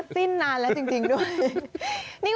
สิ้นนานแล้วจริงด้วย